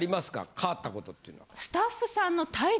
変わったことっていうのは。